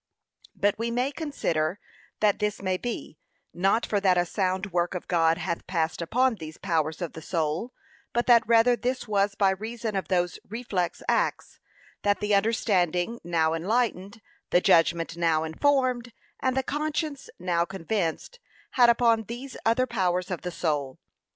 But we may consider, that this may be, not for that a sound work of God hath passed upon these powers of the soul, but that rather this was by reason of those reflex acts, that the understanding now enlightened, the judgment now informed, and the conscience now convinced, had upon these other powers of the soul.